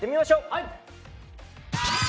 はい！